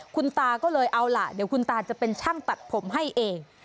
คุณตาก็เลยเอาล่ะเดี๋ยวคุณตาจะเป็นช่างตัดผมให้เอง